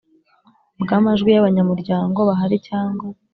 bw amajwi y abanyamuryango bahari cyangwa